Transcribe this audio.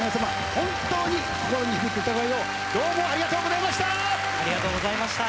本当に心に響く歌声をどうもありがとうございました。